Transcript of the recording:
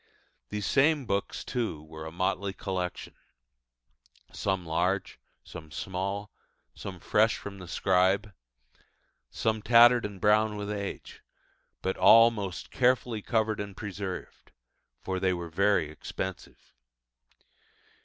These same books, too, were a motley collection some large, some small, some fresh from the scribe, some tattered and brown with age: but all most carefully covered and preserved; for they were very expensive.